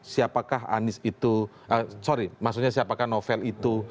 siapakah anies itu sorry maksudnya siapakah novel itu